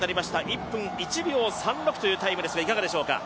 １分１秒３６というタイムですがいかがでしょうか？